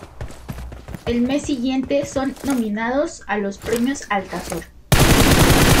Al mes siguiente son nominados a los premios Altazor.